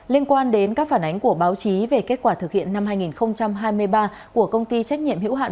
liên quan đến các phản ánh của báo chí về kết quả thực hiện năm hai nghìn hai mươi ba của công ty trách nhiệm hữu hạn